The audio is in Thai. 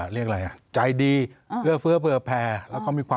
เลี้ยงเป็นระยะเลยครับ